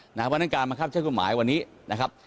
เพราะฉะนั้นการมะครับเช่นคุณหมายวันนี้นะครับ